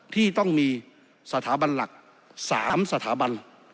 ที่ต้องมีสถาบันหลัก๓สถาบัน